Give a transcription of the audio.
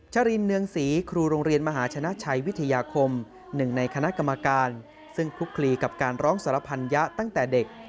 จรินเนืองศรีครูโรงเรียนมหาชนะชัยวิทยาคมหนึ่งในคณะกรรมการซึ่งคลุกคลีกับการร้องสารพันยะตั้งแต่เด็ก